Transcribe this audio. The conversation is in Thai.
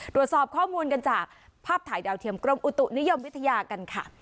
ตรวจสอบข้อมูลกันจากภาพถ่ายดาวเทียมกรมอุตุนิยมวิทยากันค่ะ